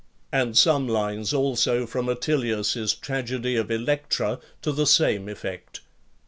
And some lines also from Attilius's tragedy of "Electra," to the same effect.